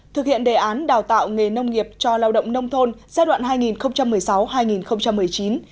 thực hiện đề án đào tạo nghề nông nghiệp cho lao động nông thôn giai đoạn hai nghìn một mươi sáu hai nghìn một mươi chín